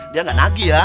dia gak nagih ya